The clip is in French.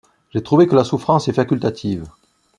J'ai trouvé que la souffrance est facultative.